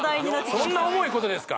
そんな重いことですか？